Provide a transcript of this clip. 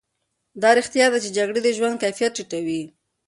دا رښتیا ده چې جګړې د ژوند کیفیت ټیټوي.